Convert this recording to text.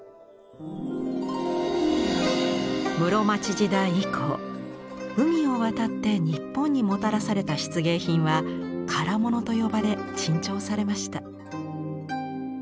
室町時代以降海を渡って日本にもたらされた漆芸品は「唐物」と呼ばれ珍重されました。